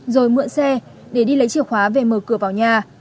rồi mượn xe để đi lấy chìa khóa về mở cửa vào nhà